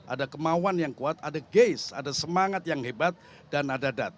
ada kemauan yang kuat ada gas ada semangat yang hebat dan ada data